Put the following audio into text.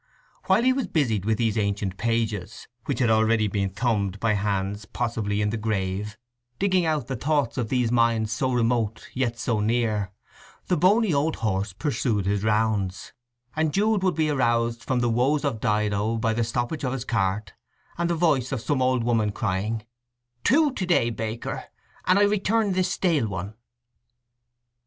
While he was busied with these ancient pages, which had already been thumbed by hands possibly in the grave, digging out the thoughts of these minds so remote yet so near, the bony old horse pursued his rounds, and Jude would be aroused from the woes of Dido by the stoppage of his cart and the voice of some old woman crying, "Two to day, baker, and I return this stale one."